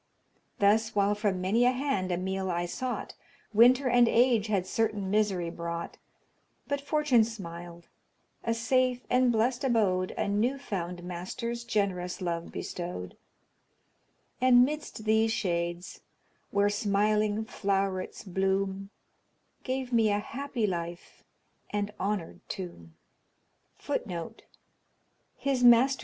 Thus while from many a hand a meal I sought, Winter and age had certain misery brought; But Fortune smiled, a safe and blest abode A new found master's generous love bestowed, And midst these shades, where smiling flow'rets bloom, Gave me a happy life and honoured tomb.